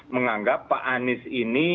menganggap pak anies ini